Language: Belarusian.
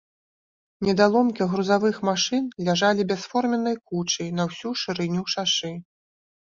Недаломкі грузавых машын ляжалі бясформеннай кучай на ўсю шырыню шашы.